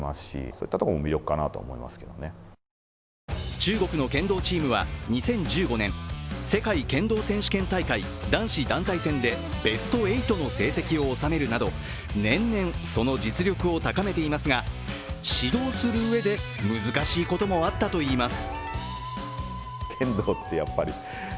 中国の検討チームは２０１５年、世界剣道選手権大会男子団体戦でベスト８の成績を収めるなど年々、その実力を高めていますが指導するうえで難しいこともあったといいます。